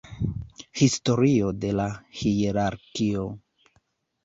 Historio de la hierarkio.